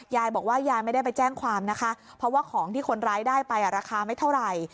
ยายบอกว่ายายไม่ได้ไปแจ้งความนะคะเพราะว่าของที่คนร้ายได้ไปราคาไม่เท่าไหร่